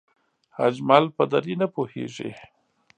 اجمل په دری نه پوهېږي